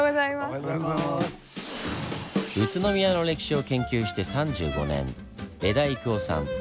宇都宮の歴史を研究して３５年江田郁夫さん。